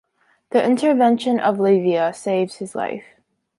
The intervention of Livia saved his life.